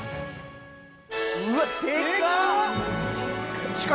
うわ、でか！